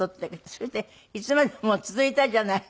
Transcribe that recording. それで「いつまでも続いたじゃない！